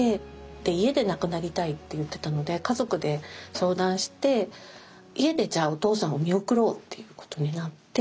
家で亡くなりたいって言ってたので家族で相談して家でじゃお父さんを見送ろうっていうことになって。